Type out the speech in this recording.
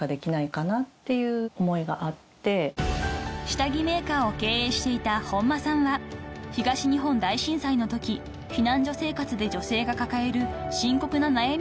［下着メーカーを経営していた本間さんは東日本大震災のとき避難所生活で女性が抱える深刻な悩みを耳にします］